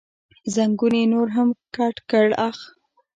زنګون یې نور هم کت کړ، اخ.